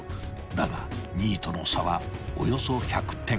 ［だが２位との差はおよそ１００点］